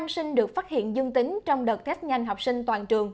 năm sinh được phát hiện dương tính trong đợt test nhanh học sinh toàn trường